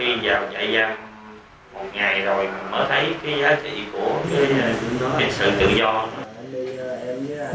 rồi chạy ra một ngày rồi mở thấy cái giá trị của cái sự tự do